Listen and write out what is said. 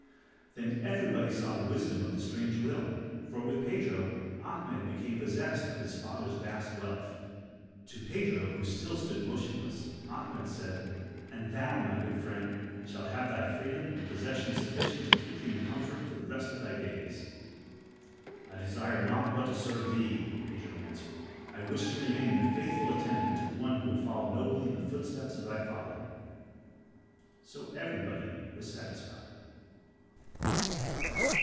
Then everybody saw the wisdom of the strange will, for with Pedro, Ahmed became possessed of his father's vast wealth. To Pedro, who still stood motionless, Ahmed said, "And thou, my good friend, shalt have thy freedom and possessions sufficient to keep thee in comfort for the rest of thy days." "I desire naught but to serve thee," Pedro answered, "I wish to remain the faithful attendant of one who will follow nobly in the footsteps of thy father." So everybody was satisfied.